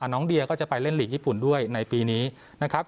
น้องเดียก็จะไปเล่นหลีกญี่ปุ่นด้วยในปีนี้นะครับ